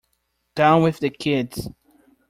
Down with the kids